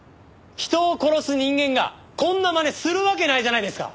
人を殺す人間がこんなまねするわけないじゃないですか！